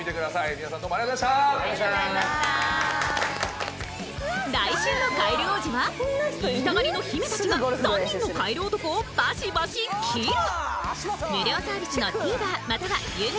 皆さんどうもありがとうございました来週の「カエル王子」は言いたがりの姫達が３人のカエル男をバシバシ切る！